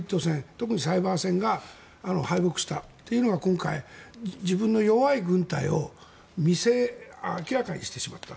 特にサイバー戦が敗北したというのが今回、自分の弱い軍隊を明らかにしてしまった。